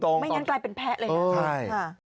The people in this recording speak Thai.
ไม่งั้นกลายเป็นแพ้เลยนะคะ